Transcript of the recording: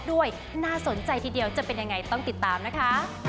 น่าสนใจทีเดียวจะเป็นยังไงต้องติดตามนะคะ